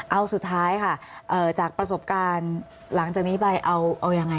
เอาสุดท้ายค่ะจากประสบการณ์หลังจากนี้ไปเอายังไง